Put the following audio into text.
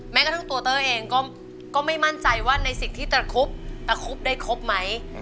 แม้กระทั่งตัวเต้ยเองก็ไม่มั่นใจว่าในสิ่งที่ตระคุบตะคุบได้ครบไหม